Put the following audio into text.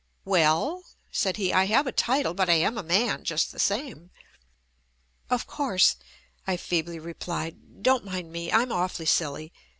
5 " "Well," said he, "I have a title but I am a man just the same." "Of course," I feebly replied, "don't mind me, I'm awfully silly.